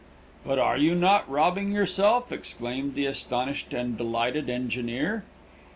'But are you not robbing yourself?' exclaimed the astonished and delighted engineer.